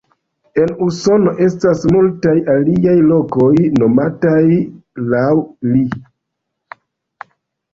En Usono estas multaj aliaj lokoj nomataj laŭ li.